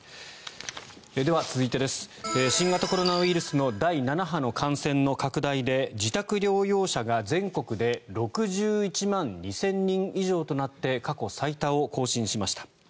では続いて新型コロナウイルスの第７波の感染の拡大で自宅療養者が全国で６１万２０００人以上となって過去最多を更新しました。